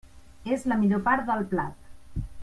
És la millor part del plat.